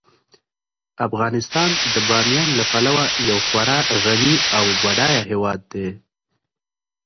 افغانستان د بامیان له پلوه یو خورا غني او بډایه هیواد دی.